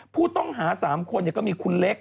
ผู้ต้องหา๓คนก็มีคุณเล็ก